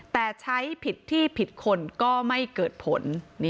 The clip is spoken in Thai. แต่ใช้ผิดที่ผิดคนก็ไม่เกิดผล